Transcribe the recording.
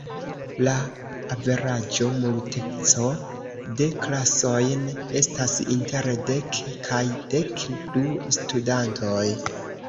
La averaĝo multeco de klasojn estas inter dek kaj dek du studantoj.